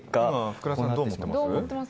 今、福田さんどう思ってます？